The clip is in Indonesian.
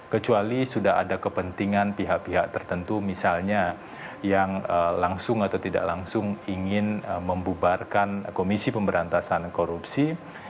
kecuali sudah ada kepentingan pihak pihak tertentu misalnya yang langsung atau tidak langsung ingin membubarkan komisi pemberantasan korupsi